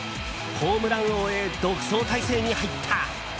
ホームラン王へ独走態勢に入った。